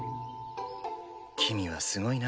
君はすごいな。